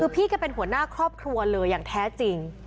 พี่แกเป็นหัวหน้าครอบครัวเลยอย่างแท้จริง